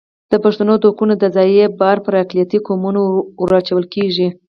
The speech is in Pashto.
د پښتنو د حقونو د ضیاع بار پر اقلیتي قومونو ور اچول کېږي.